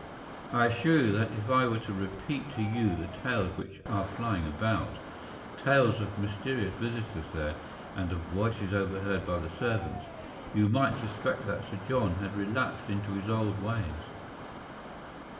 I assure you that if I were to repeat to you the tales which are flying about, tales of mysterious visitors there, and of voices overheard by the servants, you might suspect that Sir John had relapsed into his old ways."